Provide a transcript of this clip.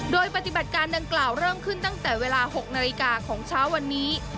โดยปฏิบัติการดังกล่าวเริ่มขึ้นตั้งแต่เวลา๖นาฬิกาของเช้าวันนี้